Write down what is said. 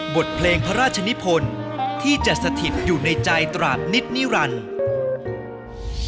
บทเพลงพระราชนิพลที่จะสถิตอยู่ในใจตราดนิดนิรันดิ์